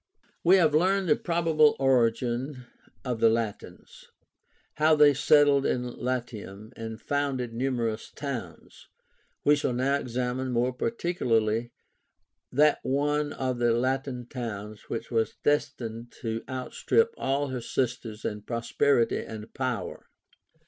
We have learned the probable origin of the LATINS; how they settled in Latium, and founded numerous towns. We shall now examine more particularly that one of the Latin towns which was destined to outstrip all her sisters in prosperity and power.